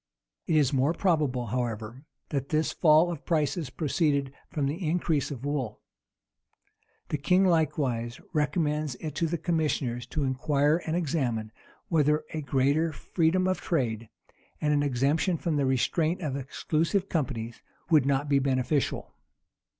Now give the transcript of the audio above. It is more probable, however, that this fall of prices proceeded from the increase of wool. The king likewise recommends it to the commissioners to inquire and examine, whether a greater freedom of trade, and an exemption from the restraint of exclusive companies, would not be beneficial.